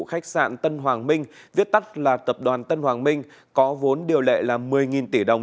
khách sạn tân hoàng minh viết tắt là tập đoàn tân hoàng minh có vốn điều lệ là một mươi tỷ đồng